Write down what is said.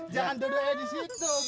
jangan dodo eh di situ